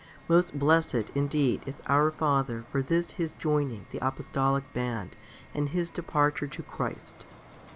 Most blessed, indeed, is our Father for this his joining the Apostolic band and his departure to Christ.